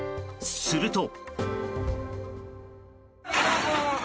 すると。